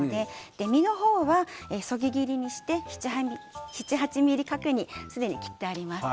身の方はそぎ切りにして７ｍｍから８ｍｍ角にすでに切ってあります。